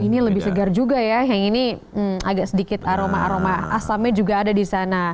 ini lebih segar juga ya yang ini agak sedikit aroma aroma asamnya juga ada di sana